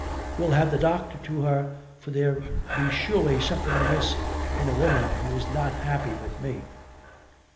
Will have the doctor to her for there be surely something amiss in a woman who is not happy with me.